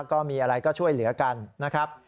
ก็มีอะไรก็ช่วยเหลือกันนะครับ